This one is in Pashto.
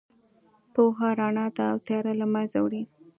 پوهه رڼا ده او تیاره له منځه وړي.